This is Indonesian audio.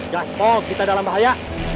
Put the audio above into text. gak seperti waktu itu